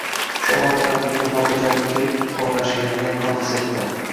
Shu onda qalbimga xotirjamlik kirib o`rashganini yaqqol his etdim